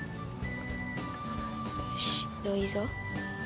よしいいぞ。